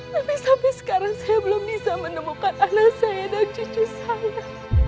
tapi sampai sekarang saya belum bisa menemukan anak saya dan cucu saya